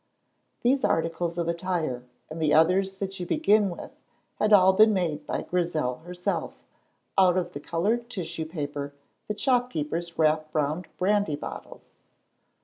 These articles of attire and the others that you begin with had all been made by Grizel herself out of the colored tissue paper that shopkeepers wrap round brandy bottles.